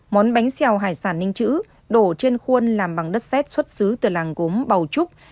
món bánh xèo hải sản ninh chữ đổ trên khuôn làm bằng đất xét xuất xứ từ làng gốm bầu trúc